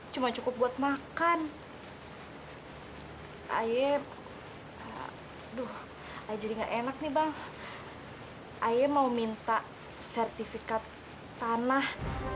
tapi kata kakek lala nggak boleh sedih